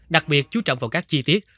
đặc biệt chú trọng vào các chi tiết